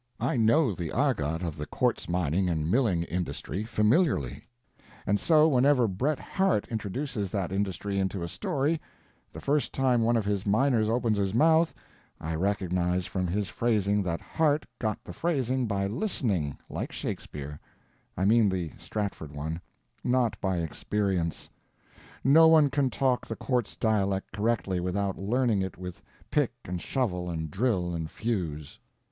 I know the argot of the quartz mining and milling industry familiarly; and so whenever Bret Harte introduces that industry into a story, the first time one of his miners opens his mouth I recognize from his phrasing that Harte got the phrasing by listening—like Shakespeare—I mean the Stratford one—not by experience. No one can talk the quartz dialect correctly without learning it with pick and shovel and drill and fuse.